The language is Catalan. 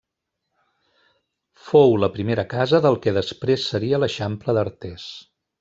Fou la primera casa del que després seria l'eixample d'Artés.